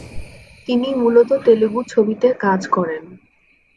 তিনি মূলত তেলুগু ছবিতে কাজ করেন।